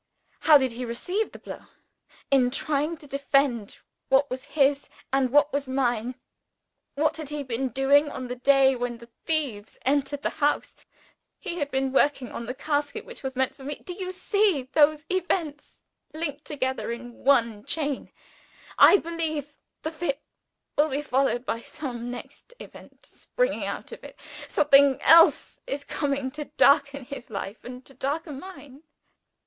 How did he receive the blow? In trying to defend what was his and what was mine. What had he been doing on the day when the thieves entered the house? He had been working on the casket which was meant for me. Do you see those events linked together in one chain? I believe the fit will be followed by some next event springing out of it. Something else is coming to darken his life and to darken mine.